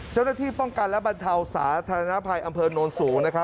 เจ้าหน้าที่ป้องกันและบรรเทาสาธารณภัยอำเภอโน้นสูงนะครับ